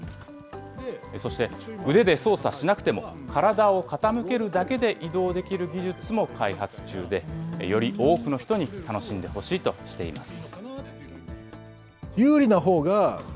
そして腕で操作しなくても、体を傾けるだけで移動できる技術も開発中で、より多くの人に楽しんでほしいとしています。